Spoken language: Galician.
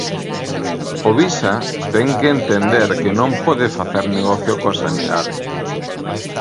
Povisa ten que entender que non pode facer negocio coa sanidade.